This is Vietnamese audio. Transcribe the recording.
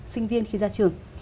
sinh viên khi ra trường